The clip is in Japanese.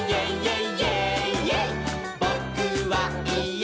「ぼ・く・は・い・え！